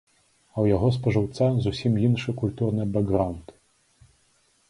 А ў яго спажыўца зусім іншы культурны бэкграўнд.